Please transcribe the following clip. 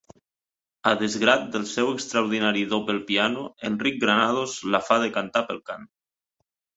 A desgrat del seu extraordinari do pel piano, Enric Granados la fa decantar pel cant.